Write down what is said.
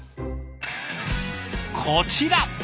こちら。